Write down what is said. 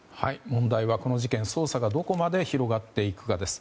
問題はこの事件、捜査がどこまで広がっていくかです。